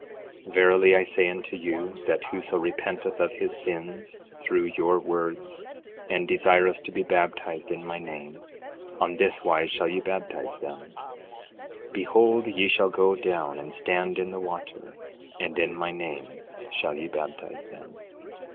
11:23 Verily I say unto you, that whoso repenteth of his sins through your words and desireth to be baptized in my name, on this wise shall ye baptize them—Behold, ye shall go down and stand in the water, and in my name shall ye baptize them.